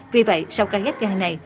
vì vậy sau ca ghép gan này